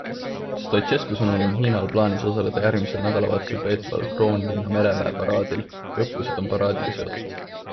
Stoicescu sõnul oli Hiinal plaanis osaleda järgmisel nädalavahetusel peetaval Kroonlinna mereväeparaadil ja õppused on paraadiga seotud.